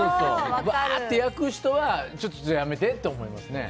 ぶわーって焼く人はちょっとやめてって思いますね。